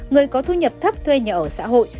người có thu nhập thấp thuê nhà ở xã hội